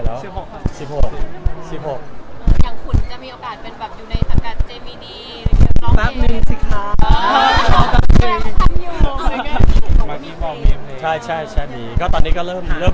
อย่างขุนจะมีโอกาสอยู่ในสับการณ์เจมมาสมมีฟลรี